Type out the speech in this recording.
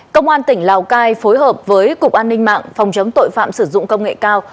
công an tỉnh lào cai phối hợp với cục an ninh mạng phòng chống tội phạm sử dụng công nghệ cao